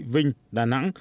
vinh đà nẵng